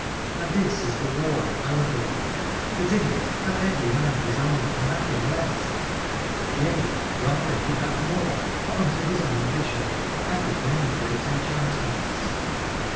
And this is the law of Aladore, that in it hath every man his own and nothing less : yea rather he hath more, for unto his own vision are added many great enchantments.